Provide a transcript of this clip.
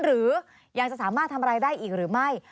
หรือยังจะสามารถทำอะไรได้อีกหรือไม่